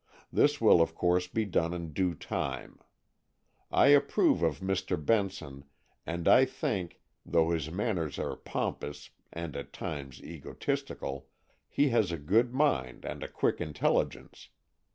This will, of course, be done in due time. I approve of Mr. Benson, and I think, though his manners are pompous and at times egotistical, he has a good mind and a quick intelligence.